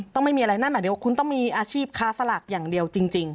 ต้องมีอะไรหน้าเหนือเดี๋ยวคุณต้องมีอาชีพค้าสลักอย่างเดียวจริง